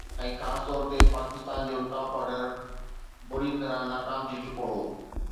۽ خاص طور تي پاڪستان جو ٽاپ آرڊر بُري طرح ناڪام ٿي چڪو هو